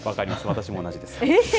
私も同じです。